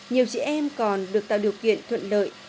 nhiều chị em còn được tạo điều kiện thuận lợi